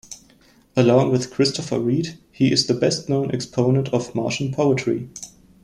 Along with Christopher Reid, he is the best-known exponent of Martian poetry.